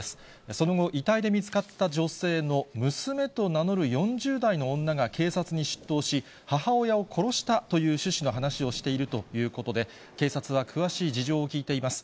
その後、遺体で見つかった女性の娘と名乗る４０代の女が警察に出頭し、母親を殺したという趣旨の話をしているということで、警察は詳しい事情を聴いています。